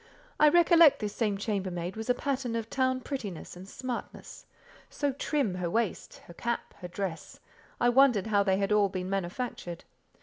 I recollect this same chambermaid was a pattern of town prettiness and smartness. So trim her waist, her cap, her dress—I wondered how they had all been manufactured.